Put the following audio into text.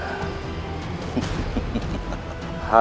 ini adalah hari